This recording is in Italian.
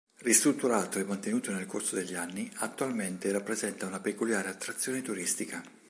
Ristrutturato e mantenuto nel corso degli anni, attualmente rappresenta una peculiare attrazione turistica.